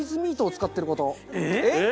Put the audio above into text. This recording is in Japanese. えっ！